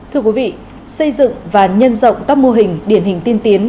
thưa quý vị xây dựng và nhân rộng các mô hình điển hình tiên tiến